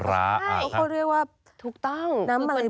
เขาเรียกว่าน้ำอะไร